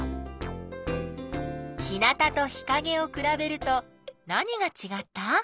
日なたと日かげをくらべると何がちがった？